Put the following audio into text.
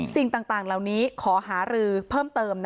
สิ่งต่างเหล่านี้ขอหารือเพิ่มเติม